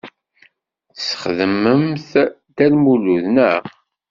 Tesxedmemt Dda Lmulud, naɣ?